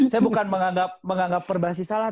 saya bukan menganggap perbasis salah